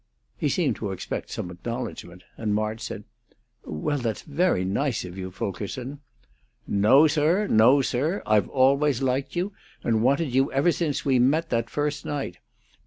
He seemed to expect some acknowledgment, and March said, "Well, that's very nice of you, Fulkerson." "No, sir; no, sir! I've always liked you and wanted you ever since we met that first night.